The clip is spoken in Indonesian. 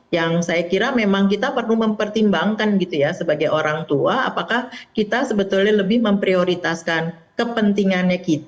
yang saya kira memang kita perlu mempertimbangkan gitu ya sebagai orang tua apakah kita sebetulnya lebih memprioritaskan kepentingannya kita